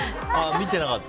見てなかった。